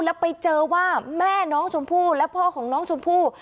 แล้วไปเจอว่าแม่น้องชมพู่และพ่อของน้องชมพู่